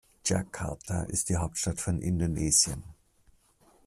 Jakarta ist die Hauptstadt von Indonesien.